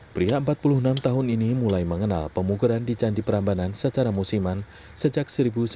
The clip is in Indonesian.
pria empat puluh enam tahun ini mulai mengenal pemukuran di candi prambanan secara musiman sejak seribu sembilan ratus sembilan puluh